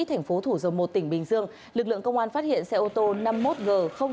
thành phố thủ dầu một tỉnh bình dương lực lượng công an phát hiện xe ô tô năm mươi một g tám nghìn sáu trăm ba mươi một